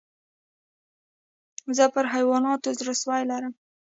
زه پر حیواناتو زړه سوى لرم.